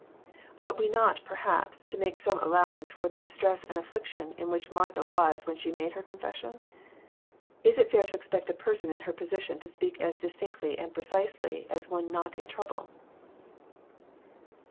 Ought we not, perhaps, to make some allowance for the distress and aiffliction in which Martha was when she made her confession ? Is it flair to expect a person in her position to speak as distinctly and precisely as one not in trouble?